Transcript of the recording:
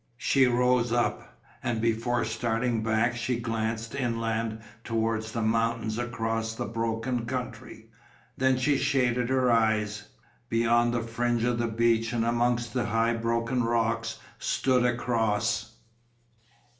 She rose up, and before starting back she glanced inland towards the mountains across the broken country. Then she shaded her eyes. Beyond the fringe of the beach and amongst the high broken rocks stood a cross.